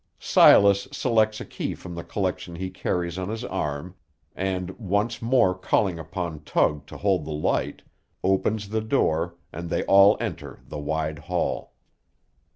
Silas selects a key from the collection he carries on his arm, and, once more calling upon Tug to hold the light, opens the door, and they all enter the wide hall.